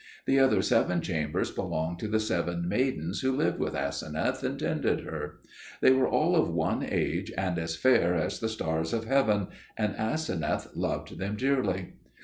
The other seven chambers belonged to the seven maidens who lived with Aseneth and tended her. They were all of one age, and as fair as the stars of heaven, and Aseneth loved them dearly.